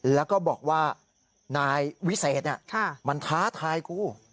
แล้วก็บอกว่านายวิเศษมันท้าทายกู